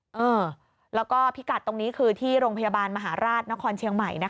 เออแล้วก็พิกัดตรงนี้คือที่โรงพยาบาลมหาราชนครเชียงใหม่นะคะ